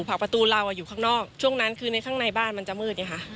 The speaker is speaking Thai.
ประตูเราอยู่ข้างนอกช่วงนั้นคือในข้างในบ้านมันจะมืดไงคะ